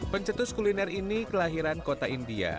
pencetus kuliner ini kelahiran kota india